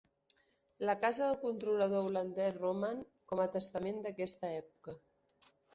La casa del controlador holandès roman, com a testament d'aquesta època.